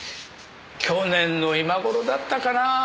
去年の今頃だったかなあ。